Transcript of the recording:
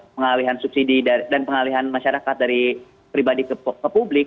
pengalihan subsidi dan pengalihan masyarakat dari pribadi ke publik